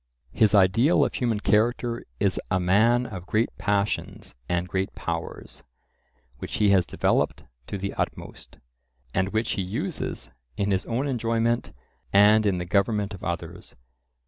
His ideal of human character is a man of great passions and great powers, which he has developed to the utmost, and which he uses in his own enjoyment and in the government of others.